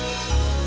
ya insya allah